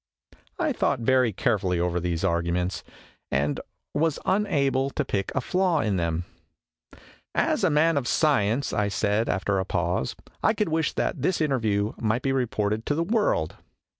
I thought very carefully over these arguments and was unable to pick a flaw in them. "As a man of science," I said, after a pause, " I could \vish that this interview might be reported to the world."